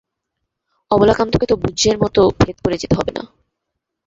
অবলাকান্তকে তো ব্যূহের মতো ভেদ করে যেতে হবে না।